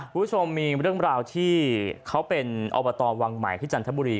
คุณผู้ชมมีเรื่องราวที่เขาเป็นอบตวังใหม่ที่จันทบุรี